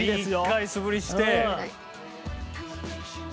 １回素振りして。